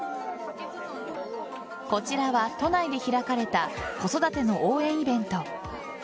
こちらは都内で開かれた子育ての応援イベント。